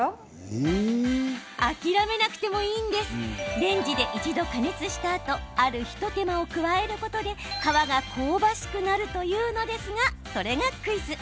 レンジで一度、加熱したあとある一手間を加えることで皮が香ばしくなるというのですがそれがクイズ。